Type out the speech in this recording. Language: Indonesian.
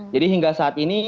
jadi hingga saat ini